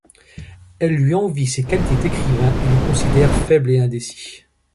Elle lui envie ses qualités d’écrivain et le considère faible et indécis.